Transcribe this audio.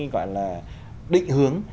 gọi là định hướng